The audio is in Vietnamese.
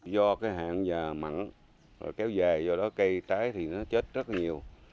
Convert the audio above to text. do cái hạn già mặn rồi kéo dài rồi đó cây trái thì nó chết rất nhiều